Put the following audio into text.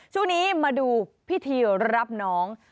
ช่วงนี้มาดูพิธีรับน้อง